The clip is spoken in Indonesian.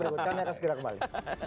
kita akan segera kembali